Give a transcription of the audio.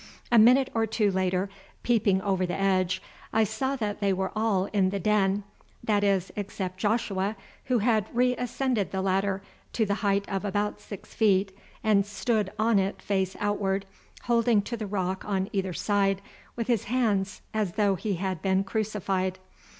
A minute or two later, peeping over the edge, I saw that they were all in the den, that is, except Joshua, who had reascended the ladder to the height of about six feet, and stood on it face outward, holding to the rock on either side with his hands as though he had been crucified.